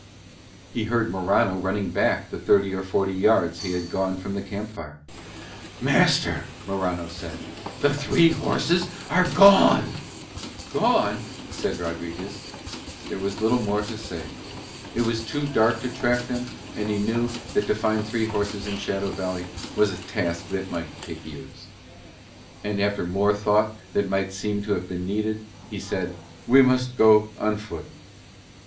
He heard Morano running back the thirty or forty yards he had gone from the camp fire "Master," Morano said, "the three horses are gone." "Gone?" said Rodriguez. There was little more to say; it was too dark to track them and he knew that to find three horses in Shadow Valley was a task that might take years. And after more thought than might seem to have been needed he said; "We must go on foot."